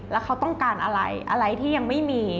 แล้วเขาต้องการอะไรอะไรที่ยังไม่มี